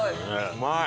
うまい！